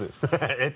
えっ？